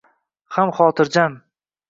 Ham xotirjam.